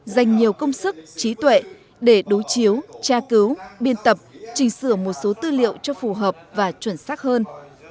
dành nhiều công sức trí tuệ để đối chiếu tra cứu biên tập trình sửa một số tư liệu cho phù hợp và chuẩn xác hơn